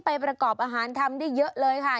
ประกอบอาหารทำได้เยอะเลยค่ะ